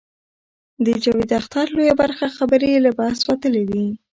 د جاوید اختر لویه برخه خبرې له بحث وتلې وې.